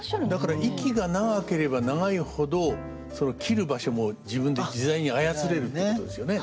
だから息が長ければ長いほどその切る場所も自分で自在に操れるってことですよね。